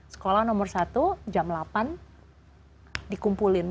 sekolah nomor satu jam delapan dikumpulin